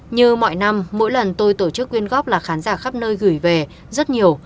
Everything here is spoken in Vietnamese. như mọi năm mỗi lần tôi tổ chức quyên góp là khán giả khắp nơi gửi về rất nhiều